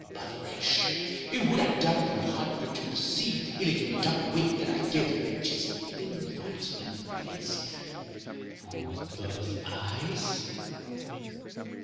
Botheration! it wud ha done your heart good to percave the illigant double wink that I gived her jist thin right in the face with both eyes.